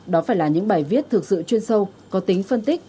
đó phải là những bài viết thực sự chuyên sâu có tính phân tích